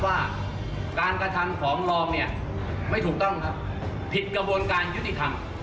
ว่าการกระทำของรองเนี่ยไม่ถูกต้องครับผิดกระบวนการยุติธรรม